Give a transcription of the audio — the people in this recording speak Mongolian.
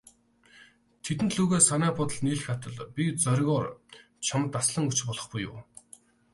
Тэдэн лүгээ санаа бодол нийлэх атал, би зоригоор чамд таслан өгч болох буюу.